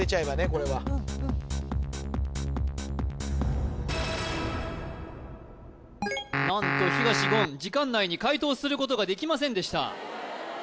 これは何と東言時間内に解答することができませんでした